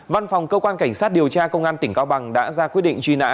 văn phòng cơ quan cảnh sát điều tra công an tỉnh cao bằng đã ra quyết định truy nã